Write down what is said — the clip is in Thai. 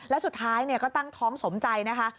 แล้วสุดท้ายก็ตั้งท้องสมใจนะคะ